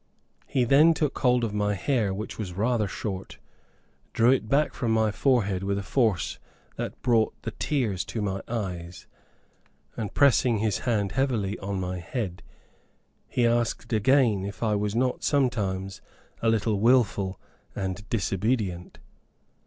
He then took hold of my hair, which was rather short, drew it back from my forehead with a force that brought the tears to my eyes, and pressing his hand heavily on my head, he again asked if I was not sometimes a little wilful and disobedient.